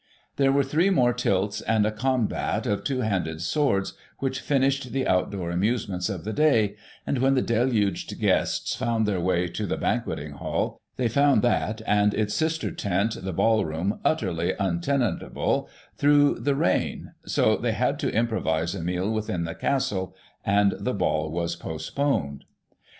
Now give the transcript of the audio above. There were three more tilts, and a combat of two handed swords, which finished the outdoor amusements of the day, and, when the deluged guests found their way to the Ban queting Hall, they found that, and its sister tent, the Ball room, utterly imtenantable through the rain; so they had to improvise a meal within the Castle, and the Ball was postponed.